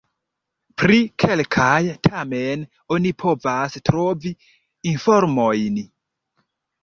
Pri kelkaj tamen oni povas trovi informojn.